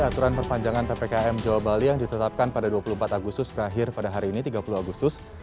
aturan perpanjangan ppkm jawa bali yang ditetapkan pada dua puluh empat agustus terakhir pada hari ini tiga puluh agustus